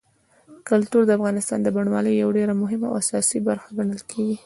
کلتور د افغانستان د بڼوالۍ یوه ډېره مهمه او اساسي برخه ګڼل کېږي.